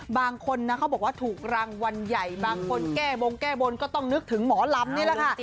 บางคนนะเขาบอกว่าถูกรางวัลใหญ่บางคนแก้บงแก้บนก็ต้องนึกถึงหมอลำนี่แหละค่ะ